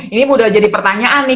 ini mudah jadi pertanyaan nih